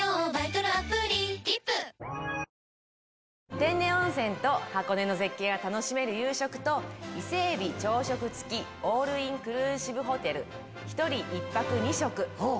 天然温泉と箱根の絶景が楽しめる夕食と伊勢海老朝食付きオールインクルーシブホテル。